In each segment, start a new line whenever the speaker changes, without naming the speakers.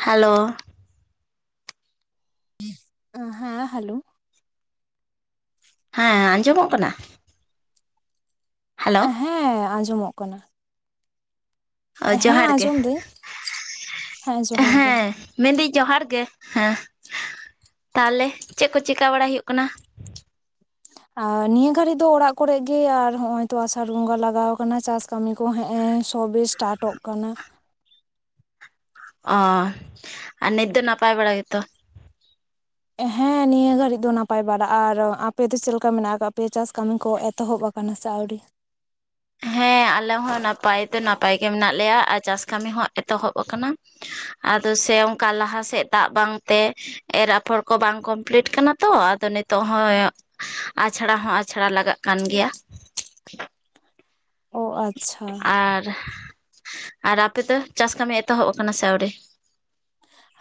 Hello
ᱦᱮᱸ hello
ᱦᱮᱸ ᱟᱸᱡᱚᱢᱚᱜ ᱠᱟᱱᱟ? ᱦᱮᱞᱳ
ᱦᱮᱸ ᱟᱸᱡᱚᱢᱚᱜ ᱠᱟᱱᱟ?
ᱚ
ᱦᱮᱸ
ᱡᱚᱦᱟᱨ ᱜᱮ
ᱟᱸᱡᱚᱢ ᱫᱟᱹᱧ ᱦᱮᱸ ᱡᱚᱦᱟᱨ ᱜᱮ
ᱦᱮᱸ ᱢᱮᱱᱫᱟᱹᱧ ᱡᱚᱦᱟᱨ ᱜᱮ ᱦᱮᱸ ᱛᱟᱦᱚᱞᱮ ᱪᱮᱫ ᱠᱚ ᱪᱮᱠᱟ ᱵᱟᱲᱟᱭ ᱦᱩᱭᱩᱜ ᱠᱟᱱᱟ?
ᱟᱨ ᱱᱤᱭᱟᱹ ᱜᱷᱟᱹᱲᱤᱡ, ᱫᱚ ᱚᱲᱟᱜ ᱠᱚᱨᱮ ᱜᱮ ᱟᱨ ᱦᱚᱸᱜ ᱚᱭ ᱛᱚ ᱟᱥᱟᱲ ᱵᱚᱸᱜᱟ ᱞᱟᱜᱟᱣ ᱠᱟᱱᱟ ᱪᱟᱥ ᱠᱟᱹᱢᱤ ᱠᱚ ᱦᱮᱸᱜ ᱮᱸ ᱥᱚᱵᱮ ᱥᱴᱟᱴᱚᱜ ᱠᱟᱱᱟ᱾
ᱚ ᱟᱨ ᱱᱤᱛ ᱫᱚ ᱱᱟᱯᱟᱭ ᱵᱟᱲᱟ ᱜᱮᱛᱚ?
ᱦᱮᱸ ᱱᱤᱭᱟᱹ ᱜᱷᱟᱹᱲᱤᱡ ᱫᱚ ᱱᱟᱯᱟᱭ ᱵᱟᱲᱟ ᱟᱨ ᱟᱯᱮ ᱫᱚ ᱪᱮᱫ ᱞᱮᱠᱟ ᱢᱮᱱᱟᱜ ᱟᱠᱟᱜ ᱯᱮᱭᱟ? ᱪᱟᱥ ᱠᱟᱹᱢᱤ ᱠᱚ ᱮᱛᱚᱦᱚᱵ ᱠᱟᱱᱟ ᱥᱮ ᱟᱹᱣᱨᱤ?
[inaudible] ᱦᱮᱸ ᱟᱞᱮ ᱦᱚᱸ ᱱᱟᱯᱟᱭ ᱛᱮ ᱱᱟᱯᱟᱭ ᱜᱮ ᱢᱮᱱᱟᱜ ᱞᱮᱭᱟ ᱟᱨ ᱪᱟᱥ ᱠᱟᱹᱢᱤ ᱦᱚᱸ ᱮᱛᱚᱦᱚᱵ ᱠᱟᱱᱟ᱾ ᱟᱫᱚ ᱥᱮ ᱚᱱᱠᱟ ᱞᱟᱦᱟ ᱥᱮᱫ ᱫᱟᱜ ᱵᱟᱝᱛᱮ ᱮᱨ ᱟᱯᱷᱚᱨ ᱠᱚ ᱵᱟᱝ ᱠᱚᱢᱯᱞᱤᱴ ᱠᱟᱱᱟ ᱛᱚ ᱟᱫᱚ ᱱᱤᱛᱚᱜ ᱦᱚᱸ ᱟᱪᱷᱲᱟ, ᱦᱚᱸ ᱟᱪᱷᱲᱟ, ᱞᱟᱜᱟᱜ ᱠᱟᱱ ᱜᱮᱭᱟ᱾
ᱚ ᱟᱪᱪᱷᱟ
ᱟᱨ ᱟᱨ ᱟᱯᱮ ᱫᱚ ᱪᱟᱥ ᱠᱟᱹᱢᱤ ᱮᱛᱚᱦᱚᱵ ᱠᱟᱱᱟ ᱥᱮ ᱟᱹᱣᱨᱤ?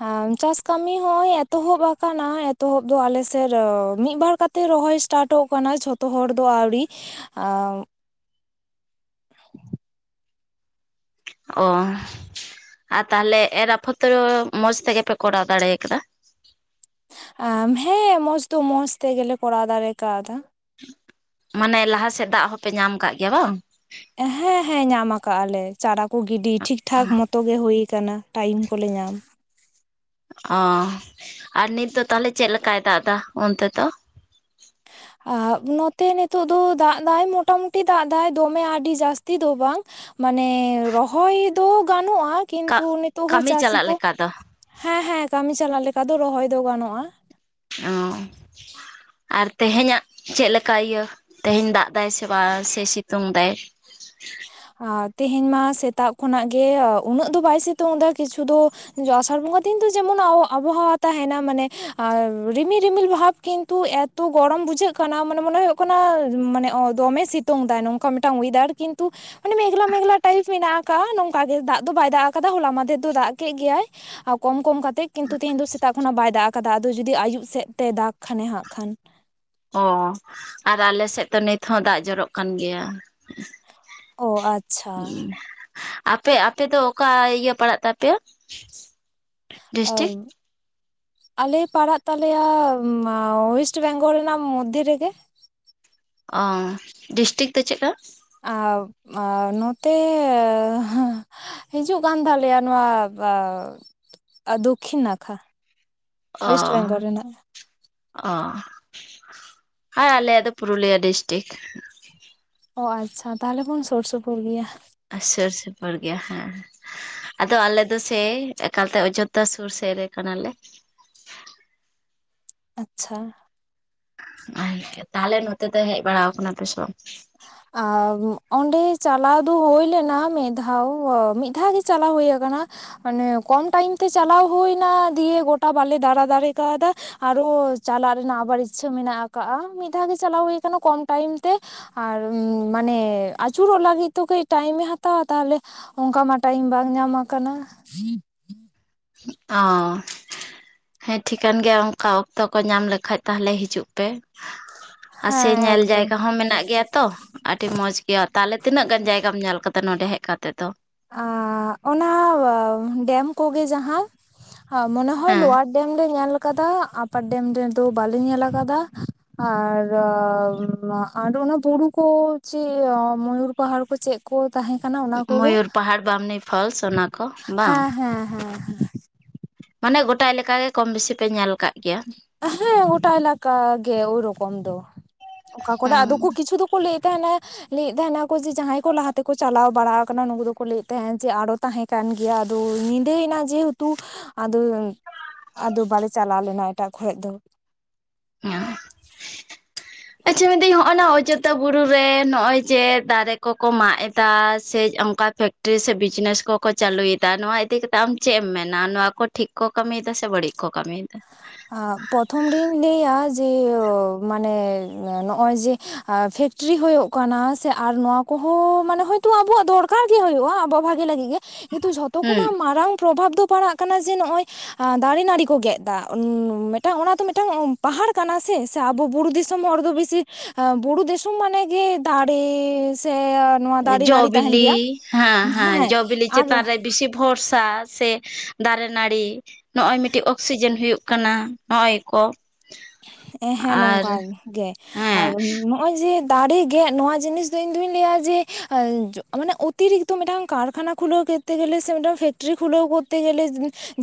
ᱦᱮᱻ ᱪᱟᱥ ᱠᱟᱹᱢᱤ ᱦᱚᱸᱭ ᱮᱛᱚᱦᱚᱵ ᱠᱟᱱᱟ ᱮᱛᱚᱦᱚᱵ ᱫᱚ ᱟᱞᱮ ᱥᱮᱨ ᱢᱤᱫᱵᱟᱨ ᱠᱟᱛᱮ ᱛᱮ ᱨᱚᱦᱚᱭ ᱥᱴᱟᱴᱚᱜ ᱠᱟᱱᱟ ᱡᱷᱚᱛᱚ ᱦᱚᱲ ᱫᱚ ᱟᱹᱣᱨᱤ [inaudible]
ᱚ ᱟᱨ ᱛᱟᱦᱚᱞᱮ ᱮᱨ ᱟᱯᱚᱛᱨᱚ ᱢᱚᱸᱡᱽ ᱛᱮᱜᱮ ᱯᱮ ᱠᱚᱨᱟᱣ ᱫᱟᱲᱮ ᱠᱟᱫᱟ?
ᱦᱮᱸ ᱢᱚᱸᱡᱽ ᱫᱚ ᱢᱚᱸᱡᱽ ᱛᱮᱜᱮᱞᱮ ᱠᱚᱨᱟᱣ ᱫᱟᱨᱮ ᱠᱟᱣᱫᱟ᱾
ᱢᱟᱱᱮ ᱞᱟᱦᱟ ᱥᱮᱫ ᱫᱟᱜ ᱦᱚᱸᱯᱮ ᱧᱟᱢ ᱠᱟᱜ ᱜᱮᱭᱟ ᱵᱟᱝ
ᱦᱮᱸ ᱦᱮᱸ ᱧᱟᱢ ᱠᱟᱜ ᱟᱞᱮ ᱪᱟᱨᱟ ᱠᱚ ᱜᱤᱰᱤ ᱴᱷᱤᱠ ᱴᱷᱟᱠ ᱢᱚᱛ ᱛᱚ ᱜᱮ ᱦᱩᱭ ᱠᱟᱱᱟ ᱴᱟᱭᱤᱢ ᱠᱚᱞᱮ ᱧᱟᱢ
ᱚ ᱟᱨ ᱱᱤᱛ ᱫᱚ ᱛᱟᱦᱚᱞᱮ ᱪᱮᱫ ᱞᱮᱠᱟᱭ ᱫᱟᱜ ᱫᱟ ᱚᱱᱛᱮ ᱫᱚ?
ᱟᱻ ᱱᱚᱛᱮ ᱱᱤᱛᱳᱜ ᱫᱚ ᱫᱟᱜ ᱫᱟᱭ ᱢᱚᱴᱟᱢᱩᱴᱤ ᱫᱟᱜ ᱫᱟᱭ ᱫᱚᱢᱮ ᱟᱹᱰᱤ ᱡᱟᱹᱥᱛᱤ ᱫᱚ ᱵᱟᱝ ᱢᱟᱱᱮ ᱨᱚᱦᱚᱭ ᱫᱚ ᱜᱟᱱᱚᱜᱼᱟ
ᱠᱟᱜ
ᱠᱤᱱᱛᱩ ᱱᱤᱛᱚᱜ ᱦᱚᱸ
ᱠᱟᱹᱢᱤ
ᱪᱟᱹᱥᱤ
ᱪᱟᱞᱟᱜ
ᱠᱚ
ᱞᱮᱠᱟ ᱫᱚ
ᱦᱮᱸ ᱦᱮᱸ ᱠᱟᱹᱢᱤ ᱪᱟᱞᱟᱜ ᱞᱮᱠᱟ ᱫᱚ ᱨᱚᱦᱚᱭ ᱫᱚ ᱜᱟᱱᱚᱜᱼᱟ ᱾
ᱚᱻ ᱟᱨ ᱛᱮᱦᱮᱸᱧᱟᱜ ᱪᱮᱫ ᱞᱮᱠᱟ ᱤᱭᱟᱹ ᱛᱮᱦᱮᱧ ᱫᱟᱜ ᱫᱟᱭ ᱥᱮ ᱵᱟᱝ ᱥᱮ ᱥᱤᱛᱩᱝ ᱥᱟᱭ?
ᱟᱹ ᱛᱮᱦᱮᱸᱧ ᱢᱟ ᱥᱮᱛᱟᱜ ᱠᱷᱚᱱᱟᱜ ᱜᱮ ᱩᱱᱟᱹᱜ ᱫᱚ ᱵᱟᱭ ᱥᱤᱛᱩᱝ ᱫᱟ ᱠᱤᱪᱷᱩ ᱫᱚ ᱟᱥᱟᱲ ᱵᱚᱸᱜᱟ ᱫᱤᱱ ᱫᱚ ᱡᱮᱢᱚᱱ ᱟᱵᱚᱦᱟᱣᱟ ᱛᱟᱸᱦᱮᱱᱟ, ᱢᱟᱱᱮ ᱨᱤᱢᱤᱞ ᱨᱤᱢᱤᱞ ᱵᱷᱟᱵ ᱠᱤᱱᱛᱩ ᱮ ᱛᱚ ᱜᱚᱨᱚᱢ ᱵᱩᱡᱷᱟᱹᱜ ᱠᱟᱱᱟ ᱢᱟᱱᱮ ᱢᱚᱱᱮ ᱦᱳᱭᱳᱜ ᱠᱟᱱᱟ ᱢᱟᱱᱮ ᱫᱚᱢᱮ ᱥᱤᱛᱩᱝ ᱫᱟᱭ ᱱᱚᱝᱠᱟ ᱢᱤᱫᱴᱟᱝ ᱚᱭᱮᱫᱟᱨ ᱠᱤᱱᱛᱩ ᱢᱟᱱᱮ ᱢᱮᱜᱞᱟ ᱢᱮᱜᱞᱟ ᱴᱟᱭᱤᱯ ᱢᱮᱱᱟᱜ ᱟᱠᱟᱫᱟ ᱱᱚᱝᱠᱟ ᱜᱮ ᱫᱟᱜ ᱫᱚ ᱵᱟᱭ ᱫᱟᱜ ᱟᱠᱟᱫᱟ ᱦᱚᱞᱟ ᱢᱟᱸᱫᱷᱮᱨ ᱫᱚ ᱫᱟᱜ ᱠᱮᱫ ᱜᱮᱭᱟᱭ ᱾ [inaudible] ᱠᱚᱢ ᱠᱚᱢ ᱠᱟᱛᱮᱫ ᱠᱤᱱᱛᱩ ᱛᱮᱦᱤᱧ ᱫᱚ ᱥᱮᱛᱟᱜ ᱠᱷᱚᱱᱟᱜ ᱵᱟᱭ ᱫᱟᱜ ᱟᱠᱟᱫᱟ, ᱟᱫᱚ ᱡᱩᱫᱤ ᱟᱭᱩᱵ ᱥᱮᱫ ᱛᱮ ᱫᱟᱜᱽ ᱠᱷᱟᱱᱮ ᱦᱟᱸᱜ ᱠᱷᱟᱱ ᱾
ᱚᱻ ᱟᱨ ᱟᱞᱮ ᱥᱮᱫ ᱛᱚ ᱱᱤᱛ ᱦᱚᱸ ᱫᱟᱜ ᱡᱚᱨᱚᱜ ᱠᱟᱱ ᱜᱮᱭᱟ ᱾
ᱚ ᱟᱪᱪᱷᱟ
[unintelligible] ᱟᱯᱮ ᱟᱯᱮ ᱫᱚ ᱚᱠᱟ ᱤᱭᱟᱹ ᱯᱟᱲᱟᱜ ᱛᱟᱯᱮᱭᱟ? ᱰᱤᱥᱴᱤᱠ
ᱟᱹ ᱟᱞᱮ ᱯᱟᱲᱟᱜ ᱛᱟᱞᱮᱭᱟ ᱳᱭᱮᱥᱴ ᱵᱮᱝᱜᱚᱞ ᱨᱮᱱᱟᱜ ᱢᱚᱫᱽᱫᱷᱮ ᱨᱮᱜᱮ ᱾
ᱚ ᱰᱤᱥᱴᱤᱠ ᱫᱚ ᱪᱮᱫ ᱠᱟ?
ᱟᱻ ᱱᱚᱛᱮ ᱦᱟᱹᱻᱻ ᱦᱤᱡᱩᱜ ᱠᱟᱱ ᱛᱟᱞᱮᱭᱟ ᱱᱚᱣᱟ ᱫᱚᱠᱠᱷᱤᱱ ᱱᱟᱠᱷᱟ ᱾
ᱚᱻ ᱚ, ᱦᱮᱸ ᱟᱞᱮ ᱫᱚ ᱯᱩᱨᱩᱞᱤᱭᱟᱹ ᱰᱤᱥᱴᱤᱠ ᱾
ᱚ ᱟᱪᱪᱷᱟ ᱛᱟᱦᱚᱞᱮ ᱵᱚᱱ ᱥᱩᱨ ᱥᱩᱯᱩᱨ ᱜᱮᱭᱟ ᱾
ᱥᱩᱨ ᱥᱩᱯᱩᱨ ᱜᱮᱭᱟ ᱦᱮᱸ ᱾ ᱟᱫᱚ ᱟᱞᱮ ᱫᱚ ᱥᱮ ᱮᱠᱟᱞ ᱛᱮ ᱚᱡᱳᱫᱽᱫᱷᱟ ᱥᱩᱨ ᱥᱮᱫ ᱨᱮ ᱠᱟᱱᱟᱞᱮ ᱾
ᱟᱪᱪᱷᱟ
ᱛᱟᱦᱚᱞᱮ ᱱᱚᱛᱮ ᱫᱚ ᱦᱮᱡ ᱵᱟᱲᱟ ᱠᱟᱱᱟ ᱥᱮ ᱯᱮ ᱵᱟᱝ?
ᱟᱨ ᱚᱸᱰᱮ ᱪᱟᱞᱟᱣ ᱫᱚ ᱦᱩᱭ ᱞᱮᱱᱟ ᱢᱤᱫ ᱫᱷᱟᱣ ᱾ ᱢᱤᱫ ᱫᱷᱟᱣ ᱜᱮ ᱪᱟᱞᱟᱣ ᱦᱩᱭ ᱟᱠᱟᱱᱟ ᱾ ᱢᱟᱱᱮ ᱠᱚᱢ ᱴᱟᱭᱤᱢ ᱛᱮ ᱪᱟᱞᱟᱣ ᱦᱩᱭᱱᱟ ᱫᱤᱭᱮ ᱜᱚᱴᱟ ᱵᱟᱞᱮ ᱫᱟᱬᱟ ᱫᱟᱲᱮ ᱠᱟᱣᱫᱟ ᱟᱨᱚ ᱪᱟᱞᱟᱜ ᱨᱮᱱᱟᱜ ᱟᱵᱟᱨ ᱤᱪᱪᱷᱟᱹ ᱢᱮᱱᱟᱜ ᱟᱠᱟᱜᱼᱟ, ᱢᱤᱫ ᱫᱷᱟᱣ ᱜᱮ ᱪᱟᱞᱟᱣ ᱦᱩᱭ ᱠᱟᱱᱟ ᱠᱚᱢ ᱴᱟᱭᱤᱢ ᱛᱮ ᱾ ᱟᱨ ᱢᱟᱱᱮ ᱟᱹᱪᱩᱨᱚᱜ ᱞᱟᱹᱜᱤᱫ ᱛᱚ ᱠᱟᱹᱡ ᱴᱟᱭᱤᱢᱮ ᱦᱟᱛᱟᱣᱟ ᱛᱟᱦᱚᱞᱮ ᱾ ᱚᱱᱠᱟ ᱢᱟ ᱴᱟᱭᱤᱢ ᱵᱟᱝ ᱧᱟᱢ ᱟᱠᱟᱱᱟ ᱾
ᱚ ᱦᱮᱸ ᱴᱷᱤᱠᱟᱹᱱ ᱜᱮᱭᱟ ᱚᱱᱠᱟ ᱚᱠᱛᱚ ᱠᱚ ᱧᱟᱢ ᱞᱮᱠᱷᱟᱡ ᱛᱟᱦᱚᱞᱮ ᱦᱤᱡᱩᱜ ᱯᱮ ᱾ ᱟᱨ ᱥᱮ
ᱦᱮᱸ
ᱧᱮᱞ
ᱮᱠᱫᱚᱢ
ᱡᱟᱭᱜᱟ ᱦᱚᱸ ᱢᱮᱱᱟᱜ ᱜᱮᱭᱟ ᱛᱚ ᱾ ᱟᱹᱰᱤ ᱢᱚᱸᱡᱽ ᱜᱮᱭᱟ, ᱛᱟᱦᱚᱞᱮ ᱛᱤᱱᱟᱹᱜ ᱜᱟᱱ ᱡᱟᱭᱜᱟᱢ ᱧᱮᱞ ᱟᱠᱟᱫᱟ ᱱᱚᱰᱮ ᱦᱮᱡ ᱠᱟᱛᱮᱜ ᱫᱚ?
ᱚᱱᱟ ᱰᱮᱢ ᱠᱚᱜᱮ ᱡᱟᱦᱟᱸ ᱢᱚᱱᱮ ᱦᱚᱭ
ᱦᱮᱸ
ᱞᱚᱣᱟᱨ ᱰᱮᱢ ᱞᱮ ᱧᱮᱞ ᱟᱠᱟᱫᱟ, ᱟᱯᱟᱨ ᱰᱮᱢ ᱨᱮᱫᱚ ᱵᱟᱞᱮ ᱧᱮᱞ ᱟᱠᱟᱫᱟ ᱾ ᱟᱨ, ᱟᱨ ᱚᱱᱟ ᱵᱩᱨᱩ ᱠᱚ ᱪᱮᱫ ᱢᱚᱭᱩᱨ ᱯᱟᱦᱟᱲ ᱠᱚ ᱪᱮᱫ? ᱠᱚ ᱛᱟᱦᱮᱸ ᱠᱟᱱᱟ ᱚᱱᱟ ᱠᱚᱜᱮ ᱾
ᱢᱚᱭᱩᱨ ᱯᱟᱦᱟᱲ ᱵᱟᱢᱱᱤ ᱯᱷᱚᱞᱥ ᱚᱱᱟ ᱠᱚ ᱵᱟᱝ?
ᱦᱮᱸ ᱦᱮᱸ ᱦᱮᱸ ᱾
ᱢᱟᱱᱮ ᱜᱚᱴᱟ ᱞᱮ ᱞᱮᱠᱟᱜ ᱜᱮ ᱠᱚᱢ ᱵᱮᱥᱤ ᱯᱮ ᱧᱮᱞ ᱟᱠᱟᱜ ᱾
ᱦᱮᱸ ᱜᱚᱴᱟ ᱮᱞᱟᱠᱟ ᱜᱮ ᱨᱚᱠᱚᱢ ᱫᱚ, ᱚᱠᱟ
ᱦᱩᱸ
ᱠᱚᱨᱮᱫᱚ ᱠᱚ ᱠᱤᱪᱷᱩ ᱫᱚ ᱠᱚ ᱞᱟᱹᱭ ᱛᱟᱦᱮᱱᱟ ᱞᱟᱹᱭᱮᱫ ᱛᱟᱦᱮᱸᱱᱟᱠᱚ ᱡᱮ ᱡᱟᱦᱟᱸᱭ ᱠᱚ ᱞᱟᱦᱟ ᱛᱮᱠᱚ ᱪᱟᱞᱟᱣ ᱵᱟᱲᱟ ᱟᱠᱟᱱᱟ ᱱᱩᱠᱩ ᱫᱚᱠᱚ ᱞᱟᱹᱭᱮᱫ ᱛᱟᱦᱮᱸᱫ ᱡᱮ ᱟᱨᱚ ᱛᱟᱦᱮᱸ ᱠᱟᱱᱟ ᱠᱟᱱ ᱜᱮᱭᱟ, ᱟᱫᱚ ᱧᱤᱫᱟᱹᱭᱮᱱᱟ ᱡᱮᱦᱮᱛᱩ ᱟᱫᱚ ᱟᱫᱚ ᱵᱟᱞᱮ ᱪᱟᱞᱟᱣ ᱞᱮᱱᱟ ᱮᱴᱟᱜ ᱴᱷᱚᱡ ᱫᱚ ᱾
[unintelligible] ᱟᱪᱪᱷᱟ ᱢᱮᱱᱫᱟᱹᱧ ᱦᱚᱜᱼᱚᱭ ᱱᱟ ᱚᱡᱳᱫᱽᱫᱷᱟ ᱵᱩᱨᱩ ᱨᱮ ᱱᱚᱜᱼᱚᱭ ᱡᱮ ᱫᱟᱨᱮ ᱠᱚᱠᱚ ᱢᱟᱜ ᱮᱫᱟ ᱥᱮ ᱚᱱᱠᱟ ᱯᱷᱮᱠᱴᱨᱤ ᱥᱮ ᱵᱤᱡᱽᱱᱮᱥ ᱠᱚᱠᱚ ᱪᱟᱹᱞᱩᱭᱮᱫᱟ, ᱱᱚᱣᱟ ᱤᱫᱤ ᱠᱟᱛᱮ ᱟᱢ ᱪᱮᱫ ᱮᱢ ᱢᱮᱱᱟ ᱱᱚᱣᱟ ᱠᱚ ᱴᱷᱤᱠ ᱠᱚ ᱠᱟᱹᱢᱤᱭᱮᱫᱟ ᱥᱮ ᱵᱟᱹᱲᱤᱡ ᱠᱚ ᱠᱟᱹᱢᱤᱭ ᱮᱫᱟ?
ᱟᱸ ᱯᱨᱚᱛᱷᱚᱢ ᱨᱮᱧ ᱞᱟᱹᱭ ᱟ ᱡᱮ ᱢᱟᱱᱮ ᱱᱚᱜᱼᱚᱭ ᱡᱮ ᱯᱷᱮ ᱯᱷᱮᱠᱴᱨᱤ ᱦᱩᱭᱩᱜ ᱠᱟᱱᱟ, ᱥᱮ ᱟᱨ ᱱᱚᱣᱟ ᱠᱚᱦᱚᱸ ᱢᱟᱱᱮ ᱦᱳᱭᱛᱳ ᱟᱵᱚᱣᱟᱜ ᱫᱚᱨᱠᱟᱨ ᱜᱮ ᱦᱩᱭᱩᱜᱼᱟ ᱟᱵᱚᱣᱟᱜ ᱵᱷᱟᱜᱮ ᱞᱟᱹᱜᱤᱫ ᱜᱮ᱾ ᱠᱤᱱᱛᱩ ᱡᱷᱚᱛᱚ
ᱦᱩᱸ
ᱠᱷᱚᱱᱟᱜ ᱢᱟᱨᱟᱝ ᱯᱨᱚᱵᱷᱟᱵᱽ ᱫᱚ ᱯᱟᱲᱟᱜ ᱠᱟᱱᱟ, ᱡᱮ ᱱᱚᱜᱼᱚᱭ ᱫᱟᱨᱮ ᱱᱟᱹᱲᱤ ᱠᱚ ᱜᱮᱫ ᱫᱼᱟᱜ ᱩᱱ ᱢᱤᱫᱴᱟᱝ ᱚᱱᱟ ᱫᱚ ᱢᱤᱫᱴᱟᱝ ᱯᱟᱦᱟᱲ ᱠᱟᱱᱟ ᱥᱮ, ᱥᱮ ᱟᱵᱚ ᱵᱩᱨᱩ ᱫᱤᱥᱚᱢ ᱦᱚᱲ ᱫᱚ ᱵᱮᱥᱤ ᱮᱸ ᱵᱩᱨᱩ ᱫᱤᱥᱚᱢ ᱢᱟᱱᱮ ᱜᱮ ᱫᱟᱨᱮ ᱥᱮ ᱱᱚᱣᱟ ᱫᱟᱨᱮ ᱱᱟᱹᱲᱤ ᱛᱟᱦᱮᱱ
ᱡᱚᱵᱤᱞᱤ
ᱜᱮᱭᱟ
ᱦᱮᱸ ᱦᱮᱸ ᱡᱚᱵᱤᱞᱤ ᱪᱮᱛᱟᱱᱨᱮ ᱵᱤᱥᱤ ᱵᱷᱚᱨᱥᱟ ᱥᱮ ᱫᱟᱨᱮ ᱱᱟᱹᱲᱤ ᱱᱚᱜ ᱚᱭ ᱢᱤᱫᱴᱤᱡ ᱚᱠᱥᱤᱡᱮᱱ ᱦᱩᱭᱩᱜ ᱠᱟᱱᱟ, ᱱᱚᱜ ᱚᱭ ᱠᱚ᱾
ᱦᱮ ᱦᱮᱸ
ᱟᱨ
ᱱᱚᱝᱠᱟ ᱜᱮ, ᱟᱨ
ᱦᱮᱸ
ᱱᱚᱜ ᱚᱭ ᱡᱮ ᱫᱟᱨᱮ ᱜᱮᱫ ᱱᱚᱣᱟ ᱡᱤᱱᱤᱥ ᱫᱚ ᱤᱧ ᱫᱩᱧ ᱞᱟᱹᱭᱟ ᱡᱮ, ᱢᱟᱱᱮ ᱚᱛᱤᱨᱤᱠᱛᱚ ᱛᱚ ᱢᱤᱫᱴᱟᱝ ᱠᱟᱨᱠᱷᱟᱱᱟ ᱠᱷᱩᱞᱟᱹᱣ ᱠᱚᱨᱛᱮ ᱜᱮᱞᱮ ᱥᱮ, ᱢᱤᱫᱴᱟᱝ ᱯᱷᱮᱠᱴᱨᱤ ᱠᱷᱩᱞᱟᱣ ᱠᱚᱨᱛᱮ ᱜᱮᱞᱮ,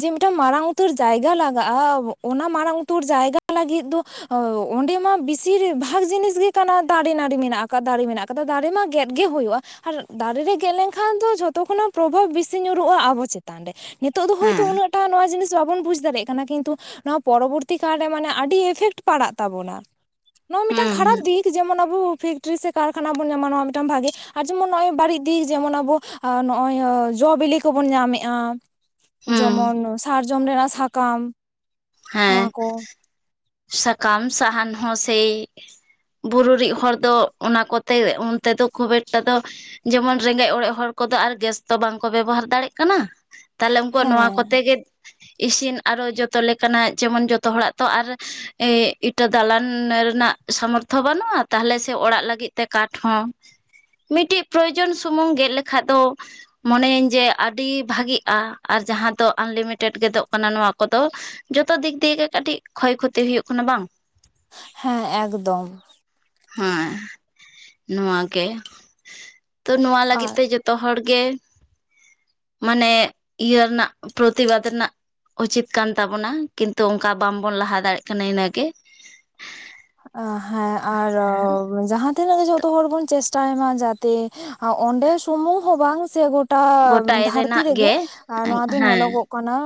ᱡᱮ ᱢᱤᱫᱴᱟᱝ ᱢᱟᱨᱟᱝ ᱩᱛᱟᱹᱨ ᱡᱟᱭᱜᱟ ᱞᱟᱜᱟᱜᱼᱟ ᱚᱱᱟ ᱢᱟᱨᱟᱝ ᱩᱛᱟᱹᱨ ᱡᱟᱭᱜᱟ ᱞᱟᱹᱜᱤᱫ ᱫᱚ ᱚᱸᱰᱮ ᱢᱟ ᱵᱮᱥᱤᱨ ᱵᱷᱟᱜᱽ ᱡᱤᱱᱤᱥ ᱜᱮ ᱠᱟᱱᱟ ᱫᱟᱨᱮ ᱱᱟᱹᱲᱤ ᱢᱮᱱᱟᱜ ᱟᱠᱟᱫ, ᱫᱟᱨᱮ ᱢᱮᱱᱟᱜ ᱟᱠᱟᱫ᱾ ᱟᱫᱚ ᱫᱟᱨᱮ ᱢᱟ ᱜᱮᱫ ᱜᱮ ᱦᱩᱭᱩᱜᱼᱟ᱾ ᱟᱨ ᱫᱟᱨᱮ ᱨᱮ ᱜᱮᱫ ᱞᱮᱱᱠᱷᱟᱱ ᱫᱚ ᱡᱷᱚᱛᱚ ᱠᱷᱚᱱᱟᱜ ᱯᱨᱚᱵᱷᱟᱵᱽ ᱵᱮᱥᱤ ᱧᱩᱨᱩᱜᱼᱟ ᱟᱵᱚ ᱪᱮᱛᱟᱱ ᱨᱮ᱾ ᱱᱤᱛᱚᱜ ᱫᱚ ᱦᱳᱭᱛᱳ
ᱦᱮᱸ
ᱩᱱᱟᱹᱜ ᱴᱟ ᱱᱚᱣᱟ ᱡᱤᱱᱤᱥ ᱵᱟᱵᱚᱱ ᱵᱩᱡ ᱫᱟᱲᱮᱭᱟᱜ ᱠᱟᱱᱟ, ᱠᱤᱱᱛᱩ ᱱᱚᱣᱟ ᱯᱚᱨᱚᱵᱚᱨᱛᱤ ᱠᱟᱞ ᱨᱮ ᱢᱟᱱᱮ ᱟᱹᱰᱤ ᱤᱯᱷᱮᱠᱴ ᱯᱟᱲᱟᱜ ᱛᱟᱵᱚᱱᱟ, ᱱᱚᱣᱟ ᱢᱤᱫᱴᱟᱝ
ᱦᱩᱸ
ᱠᱷᱟᱨᱟᱯ
ᱦᱩᱸ
ᱫᱤᱠ᱾ ᱡᱮᱢᱚᱱ ᱟᱵᱚ ᱯᱷᱮᱠᱴᱨᱤ ᱥᱮ ᱠᱟᱨᱠᱷᱟᱱᱟ ᱵᱚᱱ ᱧᱟᱢᱟ ᱱᱚᱣᱟ ᱢᱤᱫᱴᱟᱱ ᱵᱷᱟᱜᱮ, ᱟᱨ ᱡᱮᱢᱚᱱ ᱱᱚᱜᱼᱚᱭ ᱵᱟᱹᱲᱤᱡ ᱫᱤᱠ ᱡᱮᱢᱚᱱ ᱟᱵᱚ ᱟᱨ ᱱᱚᱜᱼᱚᱭ ᱡᱚ ᱵᱤᱞᱤ ᱠᱚ ᱵᱚᱱ ᱧᱟᱢ ᱮᱼᱟ᱾
ᱦᱩᱸ
ᱡᱚᱢᱚᱱ ᱥᱟᱨᱡᱚᱢ ᱨᱮᱱᱟᱜ ᱥᱟᱠᱟᱢ᱾
ᱦᱮᱸ,
ᱱᱚᱣᱟ ᱠᱚ
ᱥᱟᱠᱟᱢ ᱥᱟᱦᱟᱱ ᱦᱚ ᱥᱮᱭ ᱵᱩᱨᱩ ᱨᱤᱡ ᱦᱚᱲ ᱫᱚ ᱚᱱᱟ ᱠᱚ ᱛᱮ, ᱚᱱᱛᱮ ᱫᱚ ᱠᱷᱩᱵ ᱮᱠᱴᱟ ᱫᱚ ᱡᱮᱢᱚᱱ ᱨᱮᱸᱜᱮᱡ ᱚᱲᱮᱡ ᱦᱚᱲ ᱠᱚ ᱫᱚ ᱟᱨ ᱜᱮᱥ ᱛᱚ ᱵᱟᱝᱠᱚ ᱵᱮᱵᱚᱦᱟᱨ ᱫᱟᱲᱮᱼᱟᱜ ᱠᱟᱱᱟ᱾ ᱛᱟᱦᱞᱮ ᱩᱱᱠᱩᱣᱟᱜ
ᱦᱮᱸ
ᱱᱚᱣᱟ ᱠᱚ ᱛᱮ ᱜᱮ ᱤᱥᱤᱱ ᱟᱨᱚ ᱡᱚᱛᱚ ᱞᱮᱠᱟ ᱠᱟᱱᱟ, ᱡᱮᱢᱚᱱ ᱡᱚᱛᱚ ᱦᱚᱲᱟᱜ ᱛᱚ ᱟᱨ ᱮ ᱤᱴᱟᱹ ᱫᱟᱞᱟᱱ ᱨᱮ ᱱᱟᱜ ᱥᱟᱢᱚᱨᱛᱷᱚ ᱵᱟᱱᱩᱜᱼᱟ, ᱛᱟᱦᱞᱮ ᱥᱮ ᱚᱲᱟᱜ ᱞᱟᱜᱤᱫ ᱛᱮ ᱠᱟᱴᱷ ᱦᱚᱸ ᱢᱤᱫᱴᱤᱡ ᱯᱨᱚᱭᱳᱡᱚᱱ ᱥᱩᱢᱩᱝ ᱜᱮᱫ ᱞᱮᱠᱷᱟᱡ ᱫᱚ ᱢᱚᱱᱮ ᱭᱟᱹᱧ ᱡᱮ ᱟᱰᱤ ᱵᱷᱟᱜᱤᱜᱼᱟ ᱟᱨ ᱡᱟᱦᱟ ᱫᱚ ᱟᱱᱞᱤᱢᱤᱴᱮᱰ ᱜᱮᱫᱚᱜ ᱠᱟᱱᱟ ᱱᱚᱣᱟ ᱠᱚ ᱫᱚ ᱡᱚᱛᱚ ᱫᱤᱠ ᱫᱤᱭᱮ ᱜᱮ ᱠᱟᱴᱤᱡ ᱠᱷᱚᱭ ᱠᱷᱚᱛᱤ ᱦᱩᱭᱩᱜ ᱠᱟᱱᱟ᱾ ᱵᱟᱝ?
ᱦᱮᱸ, ᱮᱠᱫᱚᱢ᱾
ᱦᱮᱸ, ᱱᱚᱣᱟ ᱜᱮ ᱛᱚ ᱱᱚᱣᱟ ᱞᱟᱜᱤᱫ
ᱟᱨ
ᱛᱮ ᱡᱚᱛᱚ ᱡᱚᱛᱚ ᱦᱚᱲ ᱜᱮ ᱢᱟᱱᱮ ᱤᱭᱟᱹ ᱨᱮᱱᱟᱜ ᱯᱨᱚᱛᱤᱵᱟᱫᱽ ᱨᱮᱱᱟᱜ ᱩᱪᱤᱛ ᱠᱟᱱ ᱛᱟᱵᱚ ᱵᱚᱱᱟ ᱠᱤᱱᱛᱩ ᱚᱱᱠᱟ ᱵᱟᱝᱵᱚᱱ ᱞᱟᱦᱟ ᱫᱟᱲᱮᱭᱟᱜ ᱠᱟᱱᱟ ᱤᱱᱟᱹ ᱜᱮ᱾
ᱚ ᱦᱮᱸ ᱟᱨ ᱡᱟᱦᱟ ᱛᱤᱱᱟᱹᱜ ᱜᱮ ᱡᱚᱛᱚ ᱦᱚᱲ ᱵᱚᱱ ᱪᱮᱥᱴᱟᱭ ᱢᱟ ᱡᱟᱛᱮ ᱚᱸᱰᱮ ᱥᱩᱢᱩᱝ ᱦᱚ ᱵᱟᱝ ᱥᱮ ᱜᱚᱴᱟ
ᱜᱚᱴᱟᱭ
ᱫᱷᱟᱨᱛᱤ
ᱨᱮᱱᱟᱜ
ᱨᱮ ᱜᱮ, ᱮᱸ ᱱᱚᱣᱟ ᱫᱚ
ᱦᱮᱸ
ᱧᱮᱞᱚᱜᱚᱜ ᱠᱟᱱᱟ,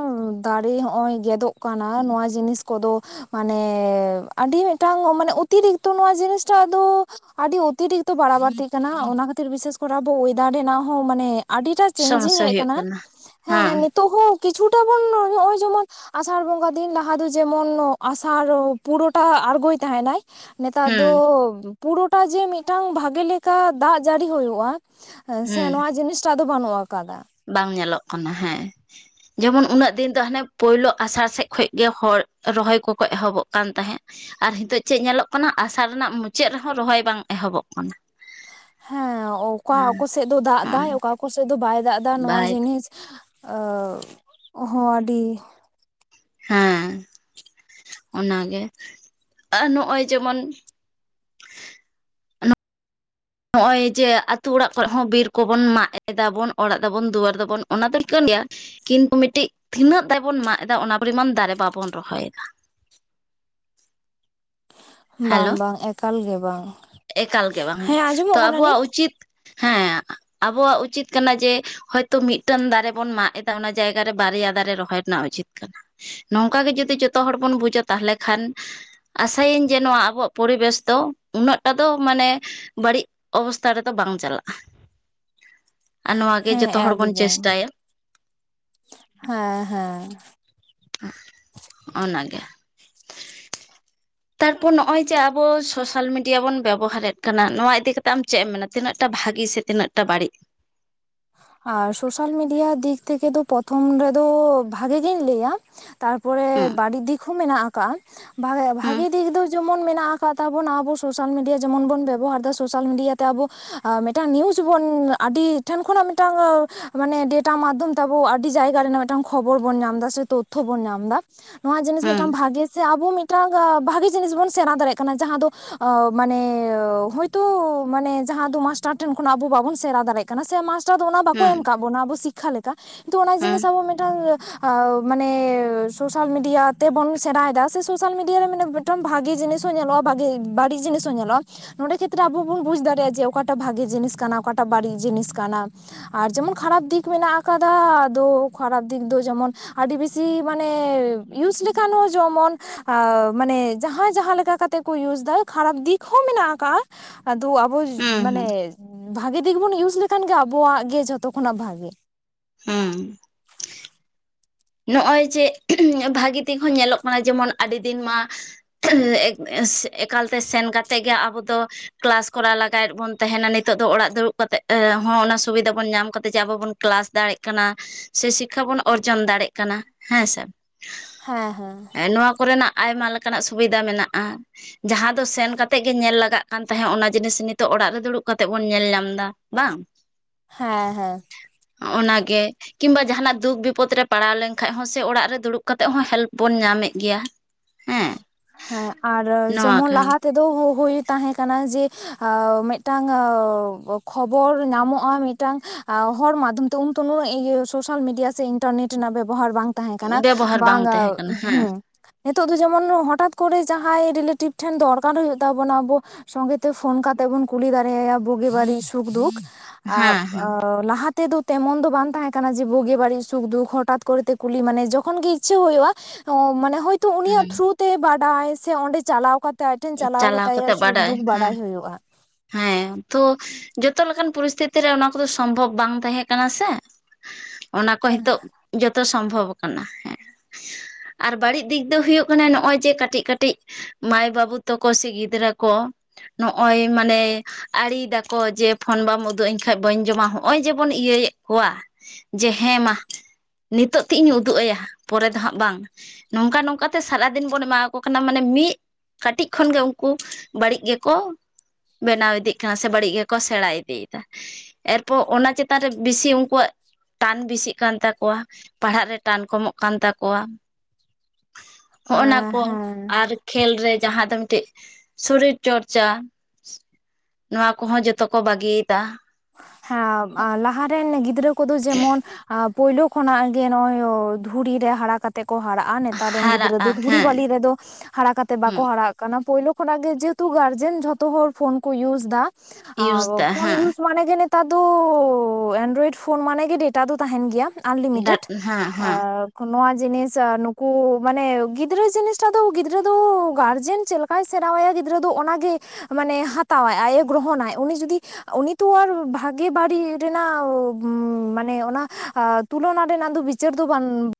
ᱫᱟᱨᱮ ᱦᱚᱜᱼᱚᱭ ᱜᱮᱫᱚᱜ ᱠᱟᱱᱟ ᱱᱚᱣᱟ ᱡᱤᱱᱤᱥ ᱠᱚ ᱫᱚ ᱢᱟᱱᱮ ᱟᱰᱤ ᱢᱤᱫᱴᱟᱝ ᱢᱟᱱᱮ ᱚᱛᱤᱨᱤᱠᱛᱚ ᱱᱚᱣᱟ ᱡᱤᱱᱤᱥᱴᱟᱜ ᱫᱚ ᱟᱰᱤ ᱚᱛᱤᱨᱤᱠᱛᱚ ᱵᱟᱲᱟ ᱵᱟᱲᱛᱤᱜ ᱠᱟᱱᱟ ᱚᱱᱟ ᱠᱷᱟᱛᱤᱨ ᱵᱤᱥᱮᱥ ᱠᱚ ᱨᱮ ᱟᱵᱚ ᱚᱭᱮᱫᱟᱨ ᱨᱮᱱᱟᱜ ᱦᱚᱸ ᱢᱟᱱᱮ ᱟᱰᱤᱴᱟ ᱪᱮᱧᱡᱤᱝ
ᱥᱚᱢᱚᱥᱥᱟ
ᱦᱮᱡ
ᱦᱩᱭᱩᱜ
ᱠᱟᱱᱟ᱾ ᱦᱮᱸ ᱱᱤᱛᱚᱜ ᱦᱚᱸ ᱠᱤᱪᱷᱩᱴᱟ ᱵᱚᱱ ᱱᱚᱜᱼᱚᱭ ᱡᱮᱢᱚᱱ ᱟᱥᱟᱲ ᱵᱚᱸᱜᱟ ᱫᱤᱱ ᱞᱟᱦᱟ ᱫᱚ ᱡᱮᱢᱚᱱ ᱟᱥᱟᱲ ᱯᱩᱨᱳ ᱴᱟ ᱟᱬᱜᱚᱭ ᱛᱟᱦᱮᱱᱟᱭ, ᱱᱮᱛᱟᱨ
ᱦᱩᱸ
ᱫᱚ ᱯᱩᱨᱳ ᱴᱟ ᱡᱮ ᱢᱤᱫᱴᱟᱝ ᱵᱷᱟᱜᱮ ᱞᱮᱠᱟ ᱫᱟᱜ ᱡᱟᱲᱤ ᱦᱩᱭᱳᱜᱼᱟ, ᱥᱮ
ᱦᱩᱸ
ᱱᱚᱣᱟ ᱡᱤᱱᱤᱥ ᱪᱟ ᱫᱚ ᱵᱟᱱᱩᱜ ᱟᱠᱟᱫᱟ᱾
ᱵᱟᱝ ᱧᱮᱞᱚᱜ ᱠᱟᱱᱟ, ᱦᱮᱸ᱾ ᱡᱮᱢᱚᱱ ᱩᱱᱟᱹᱜ ᱫᱤᱱ ᱫᱚ ᱦᱟᱱᱮ ᱯᱳᱭᱞᱳ ᱟᱥᱟᱲ ᱥᱮᱡ ᱠᱷᱚᱱ ᱜᱮ ᱦᱚᱲ ᱨᱚᱦᱚᱭ ᱠᱚ ᱠᱚ ᱮᱦᱚᱵᱚᱜ ᱠᱟᱱ ᱛᱟᱦᱮᱸᱫ᱾ ᱟᱨ ᱦᱤᱛᱚᱜ ᱪᱮᱫ ᱧᱮᱞᱚᱜ ᱠᱟᱱᱟ ᱟᱥᱟᱲ ᱨᱮᱱᱟᱜ ᱢᱩᱪᱟᱹᱫ ᱨᱮᱦᱚᱸ ᱨᱚᱦᱚᱭ ᱵᱟᱝ ᱮᱦᱚᱵᱚᱜ ᱠᱟᱱᱟ᱾
ᱦᱮᱸ, ᱚᱸᱠᱟ
ᱦᱮᱸ
ᱠᱚ ᱥᱮᱫ ᱫᱚ ᱫᱟᱜᱽ
ᱦᱮᱸ
ᱫᱟᱭ, ᱚᱠᱟ ᱠᱚ ᱥᱮᱫ ᱫᱚ ᱵᱟᱭ ᱫᱟᱜ ᱮᱫᱟ, ᱱᱚᱣᱟ
ᱵᱟᱭ
ᱡᱤᱱᱤᱥ ᱟᱳ ᱦᱚᱸ ᱟᱰᱤ
ᱦᱮᱸ ᱚᱱᱟ ᱜᱮ ᱟᱨ ᱱᱚᱜᱼᱚᱭ ᱡᱮᱢᱚᱱ ᱱᱚᱜᱼᱚᱭ ᱡᱮ ᱟᱛᱩ ᱚᱲᱟᱜ ᱠᱷᱚᱱ ᱦᱚᱸ ᱵᱤᱨ ᱠᱚ ᱵᱚᱱ ᱢᱟᱜ ᱮᱫᱟᱵᱚᱱ ᱚᱲᱟᱜ ᱫᱟᱵᱚᱱ ᱫᱩᱣᱟᱹᱨ ᱫᱟᱵᱚᱱ ᱚᱱᱟ ᱫᱚ ᱴᱷᱤᱠᱟᱹᱱ ᱜᱮᱭᱟ᱾ ᱠᱤᱱᱛᱩ ᱢᱤᱫ ᱴᱤᱡ ᱛᱤᱱᱟᱹᱜ ᱫᱟᱨᱮ ᱵᱚᱱ ᱢᱟᱜ ᱮᱫᱟ ᱚᱱᱟ ᱯᱚᱨᱤᱢᱟᱱ ᱫᱟᱨᱮ ᱵᱟᱵᱚᱱ ᱨᱚᱦᱚᱭᱮᱫᱟ᱾
ᱵᱟᱝ
ᱦᱮᱞᱳ
ᱵᱟᱝ ᱮᱠᱟᱞ ᱜᱮ ᱵᱟᱝ᱾
ᱮᱠᱟᱞ ᱜᱮ ᱵᱟᱝ ᱦᱮᱸ ᱛᱚ
ᱟᱸᱡᱚᱢᱚᱜ ᱠᱟᱱᱟ
ᱟᱵᱚᱣᱟᱜ
ᱱᱤᱛ
ᱩᱪᱤᱛ ᱦᱮᱸ ᱟᱵᱚᱭᱟᱜ ᱩᱪᱤᱛ ᱠᱟᱱᱟ ᱡᱮ ᱦᱚᱭᱛᱚ ᱢᱤᱫ ᱴᱟᱝ ᱫᱟᱨᱮ ᱵᱚᱱ ᱢᱟᱜ ᱮᱫᱟ ᱚᱱᱟ ᱡᱟᱭᱜᱟ ᱨᱮ ᱵᱟᱨᱭᱟ ᱫᱟᱨᱮ ᱨᱚᱦᱚᱭ ᱨᱮᱱᱟᱜ ᱩᱪᱤᱛ ᱱᱚᱝᱠᱟ ᱜᱮ ᱡᱩᱫᱤ ᱡᱚᱛᱚ ᱦᱚᱲ ᱵᱚᱱ ᱵᱩᱡᱟ ᱛᱟᱦᱚᱞᱮ ᱠᱷᱟᱱ ᱟᱥᱟᱭᱟᱹᱧ ᱡᱮ ᱱᱚᱶᱟ ᱟᱵᱚᱣᱟᱜ ᱯᱚᱨᱤᱵᱮᱥ ᱫᱚ ᱩᱱᱟᱹᱜ ᱴᱟ ᱫᱚ ᱢᱟᱱᱮ ᱵᱟᱲᱤᱡ ᱚᱵᱚᱥᱛᱷᱟ ᱨᱮ ᱫᱚ ᱵᱟᱝ ᱪᱟᱞᱟᱜᱼᱟ᱾ ᱟᱨ ᱱᱚᱶᱟ ᱜᱮ
ᱦᱮᱸ
ᱡᱚᱛᱚ ᱦᱚᱲ ᱵᱚᱱ
ᱮᱠᱫᱚᱢ
ᱪᱮᱥᱴᱟᱭᱟ᱾
ᱦᱮᱸ ᱦᱮᱸ
ᱚᱱᱟ ᱜᱮ ᱛᱟᱨᱯᱚᱨ ᱱᱚᱜᱼᱚᱭ ᱡᱮ ᱟᱵᱚ ᱥᱚᱥᱟᱞ ᱢᱤᱰᱤᱭᱟ ᱵᱚᱱ ᱵᱮᱵᱚᱦᱟᱨᱮᱫ ᱠᱟᱱᱟ, ᱱᱚᱶᱟ ᱤᱫᱤ ᱠᱟᱛᱮᱜ ᱟᱢ ᱪᱮᱫ ᱮᱢ ᱢᱮᱱᱟ ᱛᱤᱱᱟᱜ ᱴᱟ ᱵᱷᱟᱜᱤ ᱥᱮ ᱼ ᱛᱤᱱᱟᱜ ᱴᱟᱜ ᱵᱟᱲᱤᱡ?
ᱟᱨ ᱥᱚᱥᱟᱞ ᱢᱤᱰᱤᱭᱟ ᱫᱤᱠ ᱛᱷᱮᱠᱮ ᱫᱚ ᱯᱨᱚᱛᱷᱚᱢ ᱨᱮ ᱫᱚ ᱵᱷᱟᱜᱮ ᱜᱤᱧ ᱞᱟᱹᱭᱟ᱾
ᱦᱩᱸ
ᱛᱟᱨᱯᱚᱨᱮ ᱵᱟᱲᱤᱡ ᱫᱤᱠ ᱦᱚᱸ ᱢᱮᱱᱟᱜ ᱟᱠᱟᱜᱼᱟ
ᱦᱩᱸ
ᱵᱷᱟᱜᱤ ᱫᱤᱠ ᱫᱚ ᱡᱮᱢᱚᱱ ᱢᱮᱱᱟᱜᱼᱟ᱾ ᱛᱟᱵᱚᱱᱟ ᱟᱵᱚ ᱥᱚᱥᱟᱞ ᱢᱤᱰᱤᱭᱟ ᱡᱮᱢᱚᱱ ᱵᱚᱱ ᱵᱮᱵᱚᱦᱟᱨ ᱮᱫᱟ ᱥᱚᱥᱟᱞ ᱢᱤᱰᱤᱭᱟ ᱛᱮ ᱟᱵᱚ ᱢᱤᱫ ᱴᱟᱝ ᱱᱤᱭᱩᱡᱽ ᱵᱚᱱ ᱟᱰᱤ ᱴᱷᱮᱱ ᱠᱷᱚᱱᱟᱜ ᱢᱤᱫ ᱴᱟᱝ ᱢᱟᱱᱮ ᱰᱮᱴᱟ ᱢᱟᱫᱽᱫᱷᱚᱢ ᱛᱮ ᱟᱵᱚ ᱟᱹᱰᱤ ᱡᱟᱭᱜᱟ ᱨᱮᱱᱟᱜ ᱢᱤᱫ ᱴᱟᱝ ᱠᱷᱚᱵᱚᱨ ᱵᱚᱱ ᱧᱟᱢ ᱫᱟ ᱥᱮ ᱛᱚᱛᱷᱚ ᱵᱚᱱ ᱧᱟᱢ ᱫᱟ᱾ ᱱᱚᱶᱟ ᱡᱤᱱᱤᱥ ᱢᱤᱫ
ᱦᱩᱸ
ᱴᱟᱝ ᱵᱷᱟᱜᱮ ᱥᱮ ᱟᱵᱚ ᱢᱤᱫ ᱴᱟᱝ ᱵᱷᱟᱜᱤ ᱡᱤᱱᱤᱥ ᱵᱚᱱ ᱥᱮᱲᱟ ᱫᱟᱲᱮᱭᱟᱜ ᱠᱟᱱᱟ ᱡᱟᱦᱟᱸ ᱫᱚ ᱢᱟᱱᱮ ᱦᱚᱭᱛᱚ ᱢᱟᱱᱮ ᱡᱟᱦᱟᱸ ᱫᱚ ᱢᱟᱥᱴᱟᱨ ᱴᱷᱮᱱ ᱠᱷᱚᱱᱟᱜ ᱟᱵᱚ ᱵᱟᱵᱚᱱ ᱥᱮᱲᱟ ᱫᱟᱲᱮᱜᱼ ᱠᱟᱱᱟ ᱥᱮ ᱢᱟᱥᱴᱟᱨ ᱫᱚ ᱚᱱᱟ ᱵᱟᱠᱚ
ᱦᱩᱸ
ᱮᱢ ᱠᱟᱜ ᱵᱚᱱᱟ ᱟᱵᱚ ᱥᱤᱠᱷᱟ ᱞᱮᱠᱟ ᱠᱤᱱᱛᱩ ᱚᱱᱟ
ᱦᱩᱸ
ᱡᱤᱱᱤᱥ ᱟᱵᱚ ᱢᱤᱫ ᱴᱟᱝ ᱚ ᱢᱟᱱᱮ ᱥᱚᱥᱟᱞ ᱢᱤᱰᱤᱭᱟ ᱛᱮᱵᱚᱱ ᱥᱮᱬᱟᱭᱮᱫᱟ ᱥᱮ ᱥᱚᱥᱟᱞ ᱢᱤᱰᱤᱭᱟ ᱨᱮ ᱢᱟᱱᱮ ᱮᱠᱴᱚᱢ ᱵᱷᱟᱜᱮ ᱡᱤᱱᱤᱥ ᱦᱚᱸ ᱧᱮᱞᱚᱜᱼᱟ ᱵᱷᱟᱜᱮ ᱵᱟᱹᱲᱤᱡ ᱡᱤᱱᱤᱥ ᱦᱚᱸ ᱧᱮᱞᱚᱜᱼᱟ᱾ ᱱᱚᱸᱰᱮ ᱠᱷᱮᱛᱨᱮ ᱟᱵᱚ ᱵᱚᱱ ᱵᱩᱡᱽ ᱫᱟᱲᱮᱭᱟᱜᱼᱟ ᱡᱮ ᱚᱠᱟᱴᱟᱜ ᱵᱷᱟᱜᱮ ᱡᱤᱱᱤᱥ ᱠᱟᱱᱟ ᱚᱠᱟᱴᱟᱜ ᱵᱟᱹᱲᱤᱡ ᱡᱤᱱᱤᱥ ᱠᱟᱱᱟ᱾ ᱟᱨ ᱡᱮᱢᱚᱱ ᱠᱷᱟᱨᱟᱯ ᱫᱤᱠ ᱢᱮᱱᱟᱜ ᱟᱠᱟᱫᱟ ᱟᱫᱚ ᱠᱷᱟᱨᱟᱯ ᱫᱤᱠ ᱫᱚ ᱡᱮᱢᱚᱱ ᱟᱹᱰᱤ ᱵᱮᱥᱤ ᱢᱟᱱᱮ ᱭᱩᱡᱽ ᱞᱮᱠᱷᱟᱱ ᱦᱚᱸ ᱡᱮᱢᱚᱱ ᱟ ᱢᱟᱱᱮ ᱡᱟᱦᱟᱸᱭ ᱡᱟᱦᱟᱸ ᱞᱮᱠᱟ ᱠᱟᱛᱮᱜ ᱠᱚ ᱭᱩᱡᱽ ᱫᱟ ᱠᱷᱟᱨᱟᱯ ᱫᱤᱠ ᱦᱚᱸ ᱢᱮᱱᱟᱜ ᱟᱠᱟᱜ-ᱟ᱾ ᱟᱫᱚ ᱟᱵᱚ
ᱦᱩᱸ ᱦᱩᱸ
ᱢᱟᱱᱮ ᱵᱷᱟᱜᱮ ᱫᱤᱠ ᱵᱚᱱ ᱭᱩᱡᱽ ᱞᱮᱠᱷᱟᱱ ᱜᱮ ᱟᱵᱚᱣᱟᱜ ᱜᱮ ᱡᱷᱚᱛᱚ ᱠᱷᱚᱱᱟᱜ ᱵᱷᱟᱜᱮ
ᱦᱩᱸ᱾ ᱱᱚᱜᱼᱚᱭ ᱡᱮ ᱵᱷᱟᱹᱜᱤ ᱛᱮᱦᱚᱸ ᱧᱮᱞᱚᱜ ᱠᱟᱱᱟ ᱡᱮᱢᱚᱱ ᱟᱹᱰᱤ ᱫᱤᱱ ᱢᱟ [unintelligible] ᱮᱠᱟᱞ ᱛᱮ ᱥᱮᱱ ᱠᱟᱛᱮᱜ ᱜᱮ ᱟᱵᱚ ᱫᱚ ᱠᱟᱞᱟᱥ ᱠᱚᱨᱟᱣ ᱞᱟᱜᱟᱭᱮᱫ ᱵᱚᱱ ᱛᱟᱦᱮᱱᱟ ᱱᱤᱛᱚᱜ ᱫᱚ ᱚᱲᱟᱜ ᱫᱩᱲᱩᱵ ᱠᱟᱛᱮᱫ ᱦᱚᱸ ᱚᱱᱟ ᱥᱩᱵᱤᱫᱟ ᱵᱚᱱ ᱧᱟᱢ ᱠᱟᱛᱮᱜ ᱡᱮ ᱟᱵᱚ ᱵᱚᱱ ᱠᱟᱞᱟᱥ ᱫᱟᱲᱮᱜ ᱠᱟᱱᱟ ᱥᱮ ᱥᱤᱠᱠᱷᱟ ᱵᱚᱱ ᱚᱨᱡᱚᱱ ᱫᱟᱲᱮᱜ ᱠᱟᱱᱟ, ᱦᱮᱸ ᱥᱮ
ᱦᱮᱸ ᱦᱮᱸ
ᱮᱸ ᱱᱚᱶᱟ ᱠᱚᱨᱮᱱᱟᱜ ᱟᱭᱢᱟ ᱞᱮᱠᱟᱱᱟᱜ ᱥᱩᱵᱤᱫᱟ ᱢᱮᱱᱟᱜᱼᱟ᱾ ᱡᱟᱦᱟᱸ ᱫᱚ ᱥᱮᱱ ᱠᱟᱛᱮᱜ ᱜᱮ ᱧᱮᱞ ᱞᱟᱜᱟᱜ ᱠᱟᱱ ᱛᱟᱦᱮᱸᱫ ᱚᱱᱟ ᱡᱤᱱᱤᱥ ᱱᱤᱛᱚᱜ ᱚᱲᱟᱜ ᱨᱮ ᱫᱩᱲᱩᱵ ᱠᱟᱛᱮᱜ ᱵᱚᱱ ᱧᱮᱞ ᱧᱟᱢ ᱮᱫᱟ᱾ ᱵᱟᱝ?
ᱦᱮᱸ ᱦᱮᱸ᱾
ᱱᱚᱜ-ᱚᱱᱟ ᱜᱮ ᱠᱤᱢᱵᱟ ᱡᱟᱦᱟᱱᱟᱜ ᱫᱩᱠ ᱵᱤᱯᱚᱫ ᱨᱮ ᱯᱟᱲᱟᱣ ᱞᱮᱱᱠᱷᱟᱡ ᱦᱚᱸ ᱥᱮ ᱚᱲᱟᱜ ᱨᱮ ᱫᱩᱲᱩᱵ ᱠᱟᱛᱮᱜ ᱦᱚᱸ ᱦᱮᱞᱯ ᱵᱚᱱ ᱧᱟᱢᱮᱫ ᱜᱮᱭᱟ ᱦᱮᱸ
ᱦᱮᱸ ᱟᱨ
ᱱᱚᱣᱟ
ᱡᱮᱢᱚᱱ
ᱠᱚ
ᱞᱟᱦᱟ ᱛᱮᱫᱚ ᱦᱩ ᱦᱳᱭ ᱛᱟᱦᱮᱸ ᱠᱟᱱᱟ ᱡᱮ ᱟ ᱢᱤᱫᱴᱟᱝ ᱟ ᱠᱷᱚᱵᱚᱨ ᱧᱟᱢᱚᱜᱼᱟ ᱢᱤᱫ ᱢᱤᱫ ᱴᱟᱝ ᱟ ᱦᱚᱲ ᱢᱟᱫᱽᱫᱷᱚᱢ ᱛᱮ ᱩᱱᱛᱚ ᱤᱭᱟᱹ ᱥᱚᱥᱟᱞ ᱢᱤᱰᱤᱭᱟ ᱥᱮ ᱤᱱᱴᱟᱨᱱᱮᱴ ᱨᱮᱱᱟᱜ ᱵᱮᱵᱚᱦᱟᱨ ᱵᱟᱝ ᱛᱟᱦᱮᱸ ᱠᱟᱱᱟ᱾
ᱵᱮᱵᱚᱦᱟᱨ ᱵᱟᱝ
ᱵᱟᱝ-ᱟ
ᱛᱟᱦᱮᱸ ᱠᱟᱱᱟ ᱦᱮᱸ
ᱦᱩᱸ ᱱᱤᱛᱳᱜ ᱫᱚ ᱡᱮᱢᱚᱱ ᱦᱚᱴᱟᱴ ᱠᱚᱨᱮ ᱡᱟᱦᱟᱸᱭ ᱨᱤᱞᱮᱴᱤᱵᱽ ᱴᱷᱮᱱ ᱫᱚᱨᱠᱟᱨ ᱦᱩᱭᱩᱜ ᱛᱟᱵᱚᱱᱟ ᱟᱵᱚ ᱥᱚᱸᱜᱮ ᱛᱮ ᱯᱷᱚᱱ ᱠᱟᱛᱮᱫ ᱵᱚᱱ ᱠᱩᱞᱤ ᱫᱟᱲᱮ ᱟᱭᱟ ᱵᱩᱜᱤ ᱵᱟᱹᱲᱤᱡ ᱥᱩᱠᱼ ᱫᱩᱠ [unintelligible]
ᱦᱮᱸ
ᱞᱟᱦᱟᱛᱼᱼ ᱛᱮ ᱫᱚ ᱛᱮᱢᱚᱱ ᱫᱚ ᱵᱟᱝ ᱛᱟᱦᱮᱸ ᱠᱟᱱᱟ ᱡᱮ ᱵᱳᱜᱮ ᱵᱟᱹᱲᱤᱡ ᱥᱩᱠ ᱫᱩᱠ ᱦᱚᱴᱟᱛ ᱠᱚᱨᱮ ᱛᱮ ᱠᱩᱞᱤ ᱢᱟᱱᱮ ᱡᱚᱠᱷᱚᱱ ᱜᱮ ᱤᱪᱪᱷᱟᱹ ᱦᱳᱭᱳᱜᱼᱟ, ᱚ ᱢᱟᱱᱮ ᱦᱚᱭᱛᱚ ᱩᱱᱤᱭᱟᱜ
ᱦᱮᱸ
ᱛᱷᱩᱨᱩ ᱛᱮ ᱵᱟᱰᱟᱭ ᱥᱮ ᱚᱸᱰᱮ ᱪᱟᱞᱟᱣ ᱠᱟ ᱛᱮ ᱟᱡ ᱴᱷᱮᱱ ᱪᱟᱞᱟᱣ ᱠᱟᱛᱮ ᱟᱭᱟᱜ
ᱠᱟᱛᱮᱜ
ᱥᱩᱠ
ᱵᱟᱰᱟᱭ
ᱫᱩᱠ
ᱦᱮᱸ
ᱵᱟᱲᱟᱭ ᱦᱳᱭᱳᱜᱼᱟ᱾
ᱦᱮᱸ ᱛᱚ ᱡᱚᱛᱚ ᱞᱮᱠᱟᱱ ᱯᱚᱨᱤᱥᱛᱷᱤᱛᱤ ᱨᱮ ᱚᱱᱟ ᱠᱚᱫᱚ ᱥᱚᱢᱵᱷᱚᱵ ᱵᱟᱝ ᱛᱟᱦᱮᱸ ᱠᱟᱱᱟ ᱥᱮ, ᱚᱱᱟ ᱠᱚ
ᱟᱸ
ᱦᱤᱛᱳᱜ ᱡᱚᱛᱚ ᱥᱚᱢᱵᱷᱚᱵ ᱠᱟᱱᱟ ᱦᱮᱸ᱾ ᱟᱨ ᱵᱟᱹᱲᱤᱡ ᱫᱤᱠ ᱫᱚ ᱦᱩᱭᱩᱜ ᱠᱟᱱᱟ ᱱᱚᱜᱼᱚᱭ ᱡᱮ ᱠᱟᱹᱴᱤᱡ ᱠᱟᱹᱴᱤᱡ ᱢᱟᱭ ᱵᱟᱹᱵᱩ ᱛᱚᱠᱚ ᱥᱮ ᱜᱤᱫᱽᱨᱟᱹ ᱠᱚ ᱱᱚᱜᱼᱚᱭ ᱢᱟᱱᱮ, ᱟᱹᱲᱤ ᱫᱟᱠᱚ ᱡᱮ ᱯᱷᱳᱱ ᱵᱟᱢ ᱩᱫᱩᱜ ᱟᱹᱧ ᱠᱷᱟᱱ ᱵᱟᱹᱧ ᱡᱚᱢᱟ ᱦᱚᱜᱼᱚᱭ ᱡᱮᱵᱚᱱ ᱤᱭᱟᱹᱭᱮᱫ ᱠᱚᱣᱟ, ᱡᱮ ᱦᱮᱸ ᱢᱟ ᱱᱤᱛᱳᱜ ᱛᱤᱜ ᱤᱧ ᱩᱫᱩᱜ ᱟᱭᱟ ᱯᱚᱨᱮ ᱫᱚ ᱦᱟᱸᱜ ᱵᱟᱝ, ᱱᱚᱝᱠᱟ ᱱᱚᱝᱠᱟᱛᱮ ᱥᱟᱨᱟ ᱫᱤᱱ ᱵᱚᱱ ᱮᱢᱟᱠᱚ ᱠᱟᱱᱟ ᱢᱟᱱᱮ ᱢᱤᱜ ᱠᱟᱹᱴᱤᱡ ᱠᱷᱚᱱ ᱜᱮ ᱩᱱᱠᱩ ᱵᱟᱹᱲᱤᱡ ᱜᱮᱠᱚ, ᱵᱮᱱᱟᱣ ᱤᱫᱤᱜ ᱠᱟᱱᱟ ᱥᱮ ᱵᱟᱹᱲᱤᱡ ᱜᱮᱠᱚ ᱥᱮᱲᱟᱭ ᱤᱫᱤᱭᱮᱫᱟ᱾ ᱮᱨᱯᱚᱨ ᱚᱱᱟ ᱪᱮᱛᱟᱱ ᱨᱮ ᱵᱮᱥᱤ ᱩᱱᱠᱩᱣᱟᱜ ᱴᱟᱱ ᱵᱮᱥᱤᱜ ᱠᱟᱱ ᱛᱟᱠᱚᱣᱟ, ᱯᱟᱲᱦᱟᱜ ᱨᱮ ᱴᱟᱱ ᱠᱚᱢᱚᱜ ᱠᱟᱱ ᱛᱟᱠᱚᱣᱟ᱾ ᱦᱚᱸᱜᱱᱟ ᱠᱚ
ᱦᱮᱸ
ᱟᱨ ᱠᱷᱮᱞ ᱨᱮ ᱡᱟᱦᱟᱸ ᱫᱚ, ᱴᱤᱡ ᱥᱚᱨᱤᱨ ᱪᱚᱨᱪᱟ ᱱᱚᱣᱟ ᱠᱚᱦᱚᱸ ᱡᱚᱛᱚ ᱠᱚ ᱵᱟᱹᱜᱤᱭᱮᱫᱟ᱾
ᱦᱮᱸ ᱟ ᱞᱟᱦᱟ ᱨᱮᱱ ᱜᱤᱫᱽᱨᱟᱹ ᱠᱚᱫᱚ ᱡᱮᱢᱚᱱ, ᱟ ᱯᱳᱭᱞᱳ ᱠᱷᱚᱱᱟᱜ ᱜᱮ ᱱᱚᱜᱼᱚᱭ ᱫᱷᱩᱲᱤ ᱨᱮ ᱦᱟᱲᱟ ᱠᱟᱛ ᱛᱮᱠᱚ ᱦᱟᱨᱟᱜᱼᱟ ᱱᱮᱛᱟᱨ ᱨᱮᱱ ᱜᱤᱫᱽᱨᱟᱹ
ᱦᱟᱨᱟᱜᱼᱟ
ᱫᱚ ᱫᱷᱩᱲᱤ
ᱦᱮᱸ
ᱵᱟᱞᱤ ᱨᱮᱫᱚ ᱦᱟᱨᱟ ᱠᱟᱛᱮ
ᱦᱩᱸ
ᱵᱟᱠᱚ ᱦᱟᱨᱟᱜ ᱠᱟᱱᱟ᱾ ᱯᱳᱭᱞᱳ ᱠᱷᱚᱱᱟ ᱜᱮ ᱡᱮᱦᱮᱛᱩ ᱜᱟᱨᱡᱮᱱ ᱡᱷᱚᱛᱚ ᱦᱚᱲ ᱯᱷᱳᱱ ᱠᱚ ᱤᱭᱩᱥ ᱫᱟ
ᱤᱭᱩᱥ
ᱟᱨ
ᱫᱟ
ᱯᱷᱳᱱ
ᱦᱮᱸ
ᱤᱭᱩᱥ, ᱢᱟᱱᱮ ᱜᱮ ᱱᱮᱛᱟᱨ ᱫᱚ ᱮᱱᱰᱚᱨᱚᱭᱮᱰ ᱯᱷᱳᱱ ᱢᱟᱱᱮ ᱜᱮ ᱰᱮᱴᱟ ᱫᱚ ᱛᱟᱦᱮᱱ ᱜᱮᱭᱟ᱾ ᱟᱱᱞᱤᱢᱤᱴᱮᱰ
ᱦᱮᱸ ᱦᱮᱸ
ᱟᱵᱻ, ᱱᱚᱣᱟ ᱡᱤᱱᱤᱥ ᱱᱩᱠᱩ ᱢᱟᱱᱮ ᱜᱤᱫᱽᱨᱟᱹ ᱡᱤᱱᱤᱥᱴᱟ ᱫᱚ ᱜᱤᱫᱽᱨᱟᱹ ᱫᱚ ᱜᱟᱨᱡᱮᱱ ᱪᱮᱫ ᱞᱮᱠ ᱟᱠᱟᱭ ᱥᱮᱨᱟᱣ ᱟᱭᱟ ᱜᱤᱫᱽᱨᱟᱹ ᱫᱚ ᱚᱱᱟᱜ ᱜᱮ ᱢᱟᱱᱮ ᱦᱟᱨᱟᱣᱟᱭ ᱟᱡ ᱮ ᱜᱨᱚᱦᱚᱱᱟᱭ ᱩᱱᱤ ᱡᱩᱫᱤ ᱩᱱᱤ ᱛᱚ ᱟᱨ ᱵᱷᱟᱜᱮ ᱵᱟᱹᱲᱤ ᱨᱮᱱᱟᱜ ᱢᱟᱱᱮ ᱚᱱᱟ ᱛᱩᱞᱚᱱᱟ ᱨᱮᱱᱟᱜ ᱫᱚ ᱵᱤ ᱪᱮᱫᱽ ᱫᱚ ᱵᱟᱝ,